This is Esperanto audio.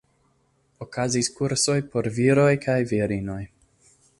Okazis kursoj por viroj kaj virinoj.